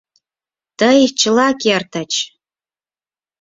— Тый чыла кертыч!